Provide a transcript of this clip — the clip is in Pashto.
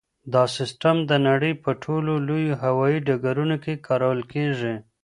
دا سیسټم د نړۍ په ټولو لویو هوایي ډګرونو کې کارول کیږي.